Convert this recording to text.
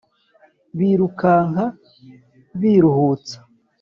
birukanka biruhutsa